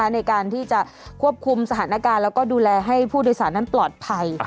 ในการที่จะควบคุมสถานการณ์แล้วก็ดูแลให้ผู้โดยสารนั้นปลอดภัย